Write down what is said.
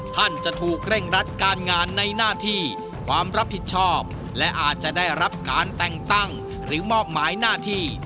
ท่านจะถูกเร่งรัดการงานในหน้าที่ความรับผิดชอบและอาจจะได้รับการแต่งตั้งหรือมอบหมายหน้าที่